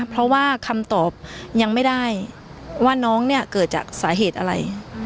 เพราะว่าคำตอบยังไม่ได้ว่าน้องเนี่ยเกิดจากสาเหตุอะไร